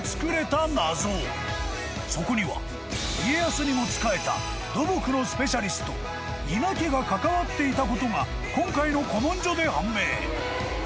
［そこには家康にも仕えた土木のスペシャリスト伊奈家が関わっていたことが今回の古文書で判明］